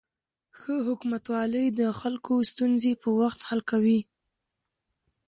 ښه حکومتولي د خلکو ستونزې په وخت حل کوي.